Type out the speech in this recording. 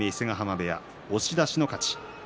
部屋押し出しの勝ちです。